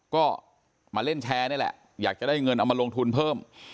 ก็มาเล่นแชร์นี่แหละอยากจะได้เงินเอามาลงทุนเพิ่ม